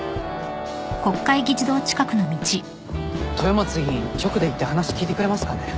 豊松議員直で行って話聞いてくれますかね？